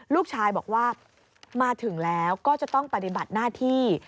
ลูกชายบอกว่ามาถึงแล้วก็จะต้องปฏิบัติหน้าที่